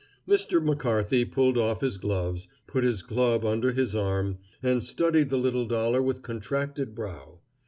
Mr. McCarthy pulled off his gloves, put his club under his arm, and studied the little dollar with contracted brow.